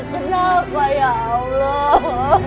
kenapa ya allah